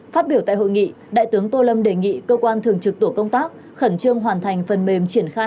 phát biểu tại hội nghị đại tướng tô lâm đề nghị cơ quan thường trực tổ công tác khẩn trương hoàn thành phần mềm triển khai